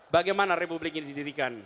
bagaimana republik ini didirikan